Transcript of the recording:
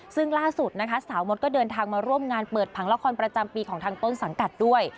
ซึ่งล่าสุดนะคะสาวมดก็เดินทางมาร่วมงานเปิดผังละครประจำปีของทางต้นสังกัดด้วย